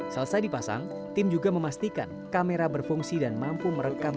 selesai dipasang tim juga memastikan kamera berfungsi dan mampu merekam